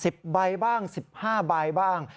๑๐ใบบ้าง๑๕ใบบ้าง